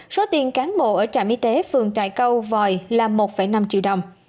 số tiền cán bộ ở trạm y tế phường trại câu vòi là một năm triệu đồng